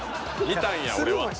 見たんや俺は。